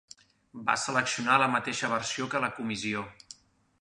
Va seleccionar la mateixa versió que la comissió.